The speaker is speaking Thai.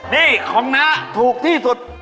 นี่ของน้าถูกที่สุด